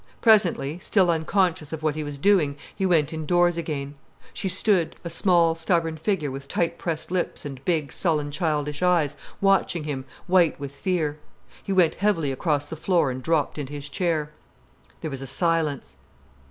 Presently, still unconscious of what he was doing, he went indoors again. She stood, a small stubborn figure with tight pressed lips and big, sullen, childish eyes, watching him, white with fear. He went heavily across the floor and dropped into his chair. There was a silence.